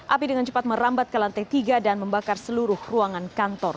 api dengan cepat merambat ke lantai tiga dan membakar seluruh ruangan kantor